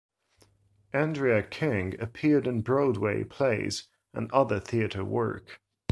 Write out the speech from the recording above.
Andrea King appeared in Broadway plays and other theater work.